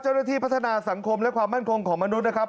เจ้าหน้าที่พัฒนาสังคมและความมั่นคงของมนุษย์นะครับ